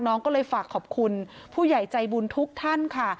น้องก็เลยฝากขอบคุณผู้ใหญ่ใจบุญทุกท่านค่ะ